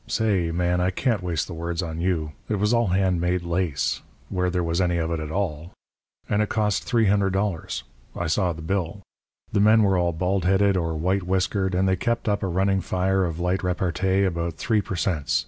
say, Man, I can't waste the words on you. It was all hand made lace where there was any of it at all and it cost $300. I saw the bill. The men were all bald headed or white whiskered, and they kept up a running fire of light repartee about 3 per cents.